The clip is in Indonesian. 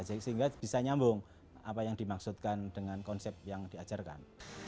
sehingga bisa nyambung apa yang dimaksudkan dengan konsep yang diajarkan